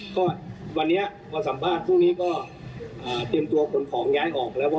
พอสัมบูรณ์พรุ่งนี้ก็เตรียมตัวคนของย้ายออกแล้ว